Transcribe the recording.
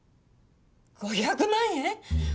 ５００万円！？